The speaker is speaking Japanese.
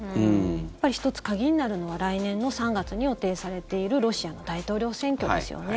やっぱり１つ鍵になるのは来年の３月に予定されているロシアの大統領選挙ですよね。